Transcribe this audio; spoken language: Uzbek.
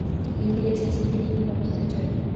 Endi yashashingga eng pokiza joy –